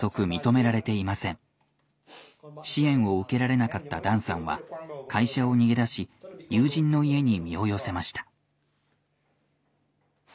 支援を受けられなかったダンさんは会社を逃げ出し友人の家に身を寄せました。